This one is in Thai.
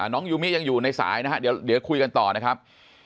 ยูมิยังอยู่ในสายนะฮะเดี๋ยวคุยกันต่อนะครับ